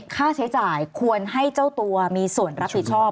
ค่าใช้จ่ายควรให้เจ้าตัวมีส่วนรับผิดชอบ